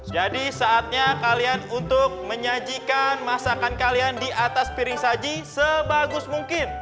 jadi saatnya kalian untuk menyajikan masakan kalian di atas piring saji sebagus mungkin